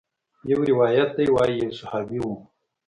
يو روايت ديه وايي يو صحابي و.